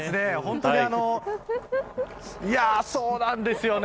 そうなんですよね。